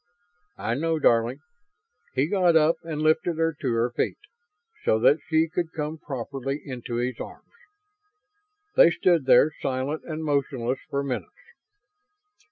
"I know, darling." He got up and lifted her to her feet, so that she could come properly into his arms. They stood there, silent and motionless, for minutes.